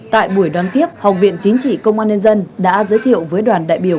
tại buổi đón tiếp học viện chính trị công an nhân dân đã giới thiệu với đoàn đại biểu